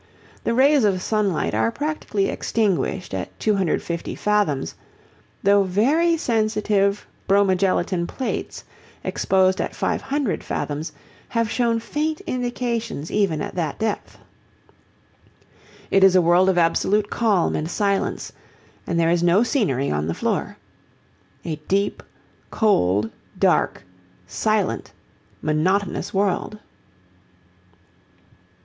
The rays of sunlight are practically extinguished at 250 fathoms, though very sensitive bromogelatine plates exposed at 500 fathoms have shown faint indications even at that depth. It is a world of absolute calm and silence, and there is no scenery on the floor. A deep, cold, dark, silent, monotonous world!